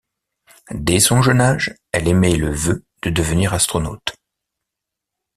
Dès son jeune âge, elle émet le vœu de devenir astronaute.